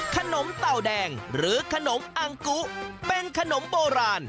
เต่าแดงหรือขนมอังกุเป็นขนมโบราณ